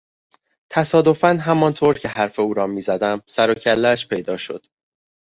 تصادفا همانطور که حرف او را میزدم سر و کلهاش پیدا شد.